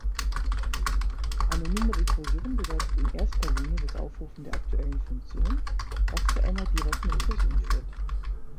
Anonyme Rekursion bedeutet in erster Linie das Aufrufen der „aktuellen Funktion“, was zu einer direkten Rekursion führt.